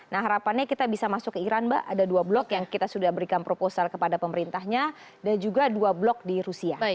nah harapannya kita bisa masuk ke iran mbak ada dua blok yang kita sudah berikan proposal kepada pemerintahnya dan juga dua blok di rusia